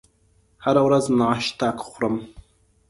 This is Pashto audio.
هره ورځ ناشته خورم